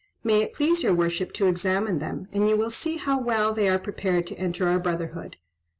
May it please your worship to examine them, and you will see how well they are prepared to enter our brotherhood."